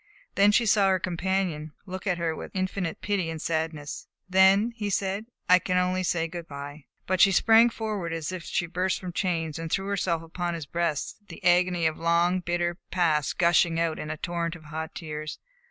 Then she saw her companion look at her with infinite pity and sadness. "Then," he said, "I can only say good by." But she sprang forward as if she burst from chains, and threw herself upon his breast, the agony of the long, bitter past gushing in a torrent of hot tears.